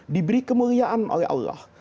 diberi kemuliaan oleh allah